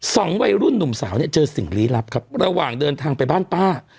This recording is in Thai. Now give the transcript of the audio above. สองวัยรุ่นหนุ่มสาวเนี่ยเจอสิ่งลี้ลับครับระหว่างเดินทางไปบ้านป้า